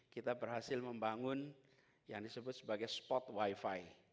kita berhasil membangun yang disebut sebagai spot wifi